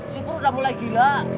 sipur udah mulai gila